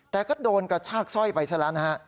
แต่ก็โดนกระชากสร้อยไปซะแล้วนะฮะ